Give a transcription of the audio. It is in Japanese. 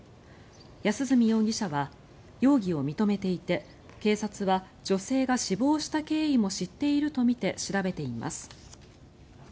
安栖容疑者は容疑を認めていて警察は、女性が死亡した経緯も知っているとみて調べています。